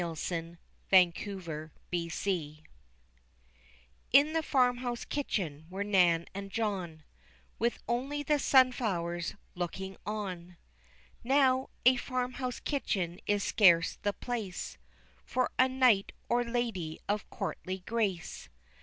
] In Sunflower Time In the farmhouse kitchen were Nan and John, With only the sunflowers looking on. Now, a farm house kitchen is scarce the place For a knight or lady of courtly grace.